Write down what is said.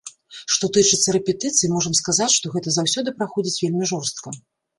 Што тычыцца рэпетыцый, можам сказаць, што гэта заўсёды праходзіць вельмі жорстка.